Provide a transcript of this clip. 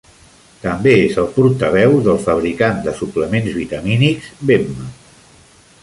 També és el portaveu del fabricant de suplements vitamínics Vemma.